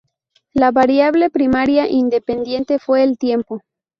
La variable primaria independiente fue el tiempo.